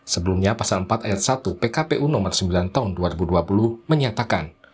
sebelumnya pasal empat ayat satu pkpu nomor sembilan tahun dua ribu dua puluh menyatakan